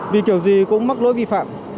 vì kiểu gì cũng mắc lỗi vi phạm